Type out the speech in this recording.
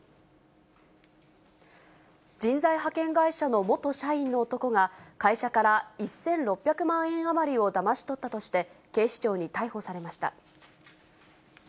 人材派遣会社の元社員の男が、会社から１６００万円余りをだまし取ったとして、警視庁に逮捕されました。